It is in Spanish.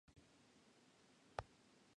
Se encuentran en Asia: Taiwán y China.